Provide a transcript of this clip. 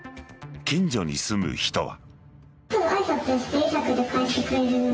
近所に住む人は。